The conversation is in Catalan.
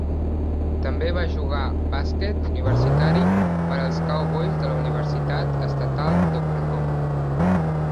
També va jugar bàsquet universitari per als Cowboys de la Universitat Estatal d'Oklahoma.